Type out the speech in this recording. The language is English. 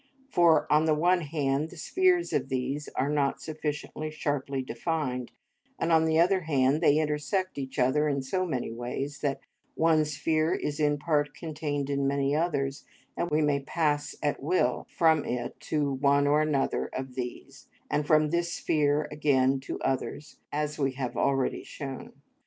For, on the one hand, the spheres of these are not sufficiently sharply defined, and, on the other hand, they intersect each other in so many ways that one sphere is in part contained in many others, and we may pass at will from it to one or another of these, and from this sphere again to others, as we have already shown.